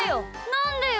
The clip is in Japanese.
なんでよ！